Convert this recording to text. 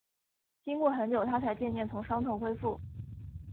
经过很久，她才渐渐从伤痛恢复